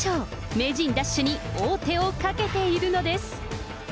名人奪取に王手をかけているのです。